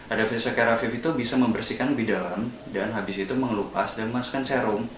ada fisi kerafif itu bisa membersihkan di dalam dan mengelupas dan memasukkan serum